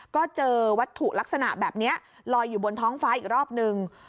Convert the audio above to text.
ก็เจอวัตถุลักษณะแบบนี้ลอยอยู่บนท้องฟ้าอีกรอบนึง